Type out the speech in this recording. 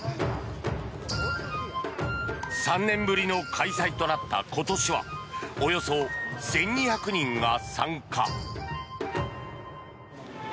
３年ぶりの開催となった今年はおよそ１２００人が参加。